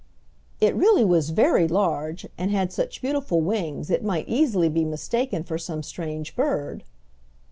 It really was very large, and had such beautiful wings it might easily be mistaken for some strange bird.